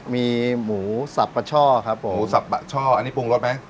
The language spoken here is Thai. มีหมูสับปะช่อครับหมูสับปะช่ออันนี้ปรุงรสไหม